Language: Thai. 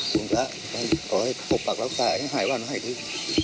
ผมจะขอให้ปกปรักรักษาให้หายวันให้ดี